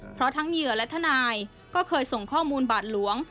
เพราะทั้งเหยื่อและทนายก็เคยส่งข้อมูลบาทหลวง